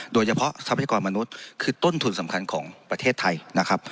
ทรัพยากรมนุษย์คือต้นทุนสำคัญของประเทศไทยนะครับ